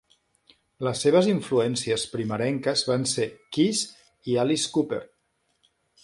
Les seves influències primerenques van ser Kiss i Alice Cooper.